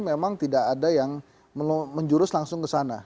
memang tidak ada yang menjurus langsung ke sana